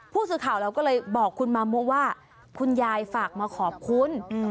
ผู้สื่อข่าวเราก็เลยบอกคุณมามุว่าคุณยายฝากมาขอบคุณ